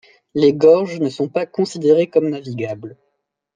Les gorges ne sont pas considérées comme navigables.